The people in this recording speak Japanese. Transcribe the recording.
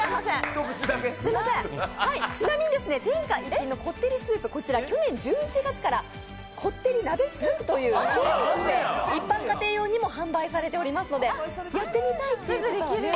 ちなみに天下一品のこってりスープ、こちら去年１１月からこってり鍋スープという商品として一般家庭用にも販売されていますので、やってみたいという方はね。